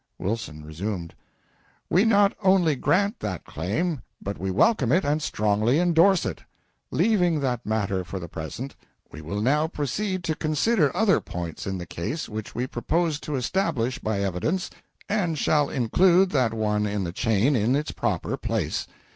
Wilson resumed: "We not only grant that claim, but we welcome it and strongly endorse it. Leaving that matter for the present, we will now proceed to consider other points in the case which we propose to establish by evidence, and shall include that one in the chain in its proper place."